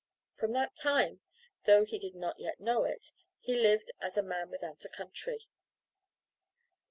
From that time, though he did not yet know it, he lived as A MAN WITHOUT A COUNTRY.